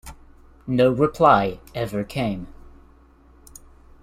No reply ever came.